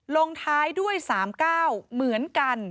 ลงท้ายด้วย๓๙เหมือนกัน